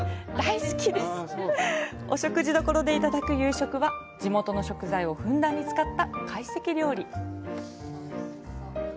お食事どころでいただく夕食は地元の食材をふんだんに使った会席料理。